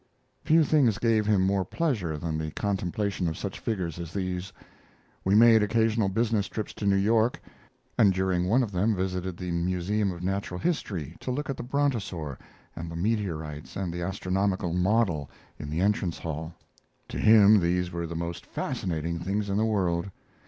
Few things gave him more pleasure than the contemplation of such figures as these. We made occasional business trips to New York, and during one of them visited the Museum of Natural History to look at the brontosaur and the meteorites and the astronomical model in the entrance hall. To him these were the most fascinating things in the world.